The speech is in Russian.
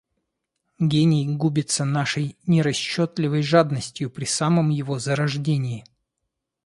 Гений губится нашей нерасчетливой жадностью при самом его зарождении.